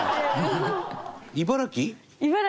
茨城？